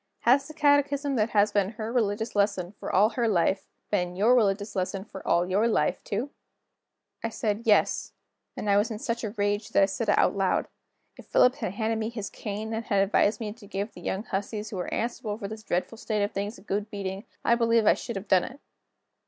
"Has the catechism that has been her religious lesson, for all her life, been your religious lesson, for all your life, too?" I said: "Yes" and I was in such a rage that I said it out loud. If Philip had handed me his cane, and had advised me to give the young hussies who were answerable for this dreadful state of things a good beating, I believe I should have done it.